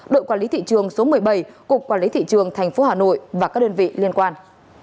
đội quản lý thị trường số một mươi bảy cục quản lý thị trường tp hà nội và các đơn vị liên quan